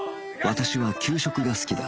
私は給食が好きだ